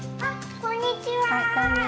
こんにちは。